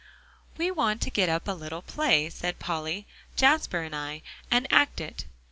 "We want to get up a little play," said Polly, "Jasper and I, and act it."